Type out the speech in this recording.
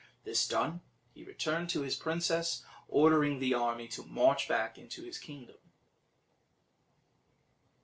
This done, he returned to his princess, ordering the army to march back into his kingdom.